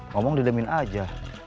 ngomong didemin aja